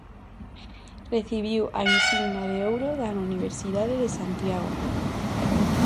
Recibiu a insignia de ouro da Universidade de Santiago.